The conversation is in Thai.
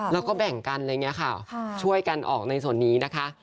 แล้วก็แบ่งกันช่วยกันออกในส่วนนี้นะคะ